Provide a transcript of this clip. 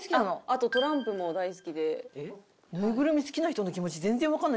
あとトランプも大好きで。